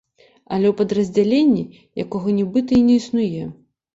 Але ў падраздзяленні, якога нібыта і не існуе.